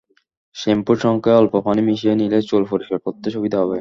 শ্যাম্পুর সঙ্গে অল্প পানি মিশিয়ে নিলে চুল পরিষ্কার করতে সুবিধা হবে।